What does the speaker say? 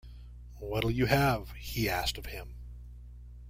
“What’ll you have?” he asked of him.